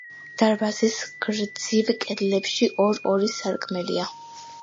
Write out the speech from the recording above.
დარბაზის გრძივ კედლებში ორ-ორი სარკმელია.